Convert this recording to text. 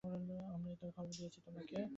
আমরাই তো খবর দিয়েছি তোমাকে।